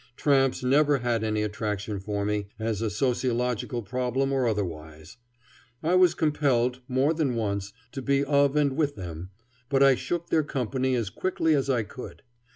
Tramps never had any attraction for me, as a sociological problem or otherwise. I was compelled, more than once, to be of and with them, but I shook their company as quickly as I could.